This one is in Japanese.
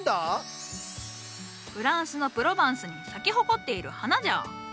フランスのプロバンスに咲き誇っている花じゃ！